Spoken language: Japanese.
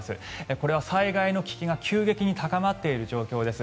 これは災害の危機が急激に高まっている状況です。